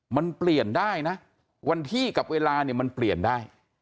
มันเปลี่ยนได้นะวันที่กับเวลาเนี่ยมันเปลี่ยนได้